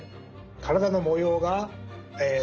体の模様が雲。